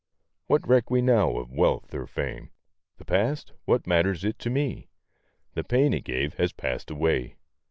What reck we now of wealth or fame? The past what matters it to me? The pain it gave has passed away.